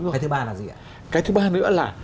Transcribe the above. cái thứ ba nữa là